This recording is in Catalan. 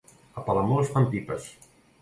A Palamós fan pipes.